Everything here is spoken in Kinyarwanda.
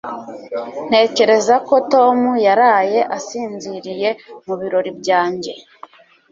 Ntekereza ko Tom yaraye asinziriye mu birori byanjye.